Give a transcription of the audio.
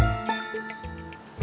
mau nganter kicim pring